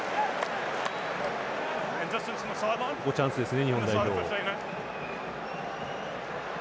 チャンスですね、日本代表。